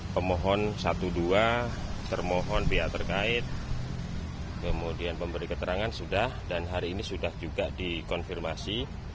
pemohon satu dua termohon pihak terkait kemudian pemberi keterangan sudah dan hari ini sudah juga dikonfirmasi